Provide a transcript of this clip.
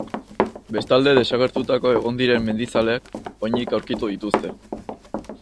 Bestalde, desagertuta egon diren mendizaleak onik aurkitu dituzte.